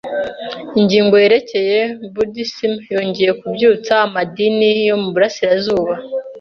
Ingingo yerekeye Budisime yongeye kubyutsa amadini yo mu Burasirazuba.